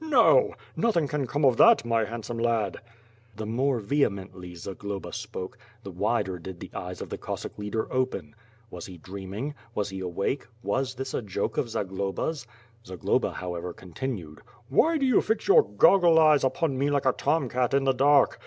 Xo; nothing can come of that, my handsome lad." The more vehemently Zagloba spoke, the wider did the eyes of the Cossack leader open. "Wns he dreaming? Was WfTH PIltE AKly SWORD. ^37 he awake? Was this a joke of Zagloba's?^^ Zagloba how ever continued: "Why do you fix your goggle eyes upon me like a tom cat in the dark?